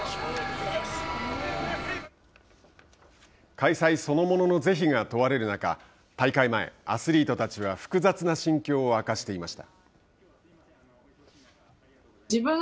開催そのものの是非が問われる中大会前、アスリートたちは複雑な心境を明かしていました。